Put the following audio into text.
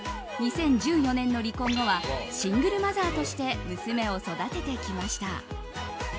２０１４年の離婚後はシングルマザーとして娘を育ててきました。